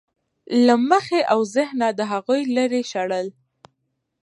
له مخې او ذهنه د هغوی لرې شړل.